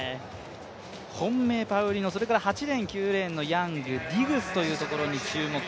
本命パウリノそして８レーン９レーンのヤング、ディグスというところに注目。